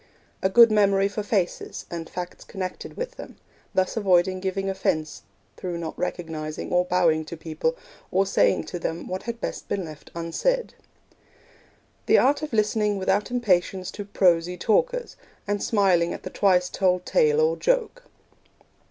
A good memory for faces, and facts connected with them thus avoiding giving offence through not recognising or bowing to people, or saying to them what had best been left unsaid. The art of listening without impatience to prosy talkers, and smiling at the twice told tale or joke.